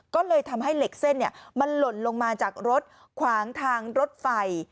ก็เลยทำให้เหล็กเส้นมันหล่นลงมาจากรถขวางทางรถไฟ